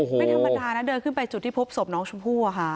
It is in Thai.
ไม่ธรรมดานะเดินขึ้นไปจุดที่พบศพน้องชมพู่อะค่ะ